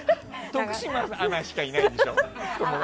徳島アナしかいないでしょ。